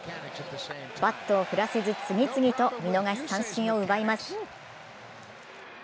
バットを振らせず、次々と見逃し三振を奪います。